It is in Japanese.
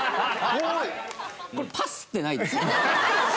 これパスってないですよね？